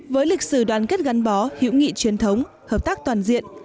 với lịch sử đoàn kết gắn bó hữu nghị truyền thống hợp tác toàn diện